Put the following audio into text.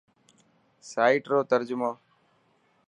سائيٽ رو ترجمو.